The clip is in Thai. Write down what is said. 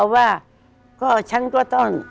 ว่าก็ฉันก็ต้อง